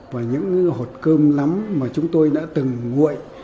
và những hộp cơm lắm mà chúng tôi đã từng nguội